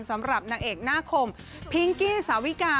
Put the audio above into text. สำหรับนางเอกหน้าคมพิงกี้สาวิกา